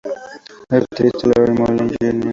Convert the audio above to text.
El baterista Larry Mullen Jr.